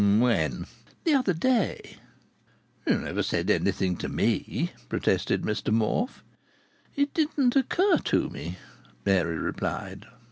"When?" "The other day." "You never said anything to me," protested Mr Morfe. "It didn't occur to me," Mary replied.